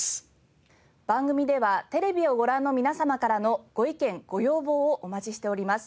番組ではテレビをご覧の皆様からのご意見ご要望をお待ちしております。